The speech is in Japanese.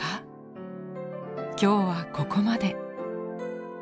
今日はここまで。